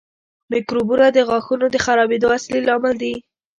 میکروبونه د غاښونو د خرابېدو اصلي لامل دي.